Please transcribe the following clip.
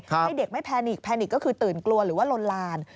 ให้เด็กไม่แพนิกแพนิกก็คือตื่นกลัวหรือว่าลนลาน